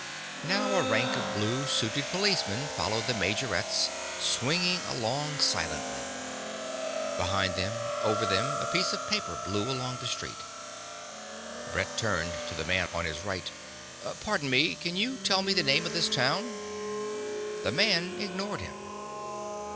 Now a rank of blue suited policemen followed the majorettes, swinging along silently. Behind them, over them, a piece of paper blew along the street. Brett turned to the man on his right. "Pardon me. Can you tell me the name of this town?" The man ignored him.